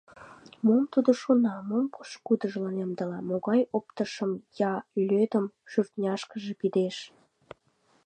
Мом тудо шона, мом пошкудыжлан ямдыла, могай оптышым я лӧдым шӱртняшыже пидеш?